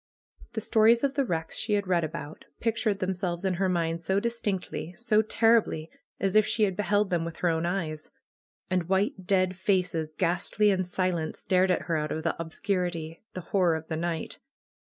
The stories of the wrecks she had read about, pictured them selves in her mind so distinctly, so terribly, as if she had beheld them with her own eyes. And white dead faces, ghastly and silent, stared at her out of the ob scurity, the horror of the night.